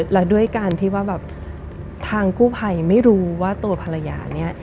แล้วด้วยการที่ว่าแบบทางกู้ภัยไม่รู้ว่าตัวภรรยาเนี่ย